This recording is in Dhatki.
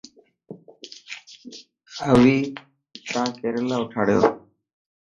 اوي تا ڪيريلا اوٺاڙيو.